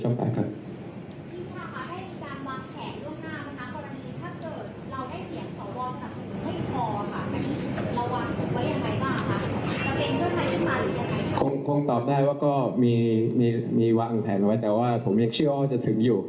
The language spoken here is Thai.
ไม่ต้องตอบแต่ว่ามีวางแผ่นนะแต่ผมนึกว่าจะถึงอยู่